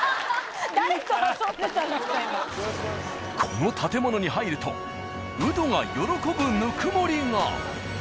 この建物に入るとウドが喜ぶぬくもりが！